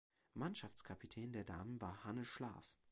Mannschaftskapitän der Damen war Hanne Schlaf.